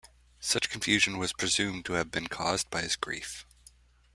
Such confusion was presumed to have been caused by his grief.